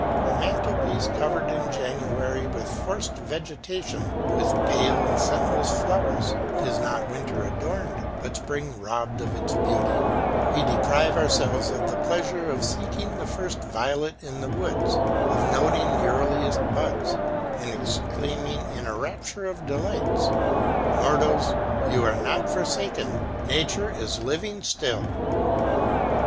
A mantelpiece covered in January with forced vegetation, with pale and scentless flowers, is not winter adorned, but spring robbed of its beauty; we deprive ourselves of the pleasure of seeking the first violet in the woods, of noting the earliest buds, and exclaiming in a rapture of delight, "Mortals, you are not forsaken, nature is living still."